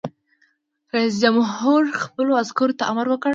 رئیس جمهور خپلو عسکرو ته امر وکړ؛ چمتو!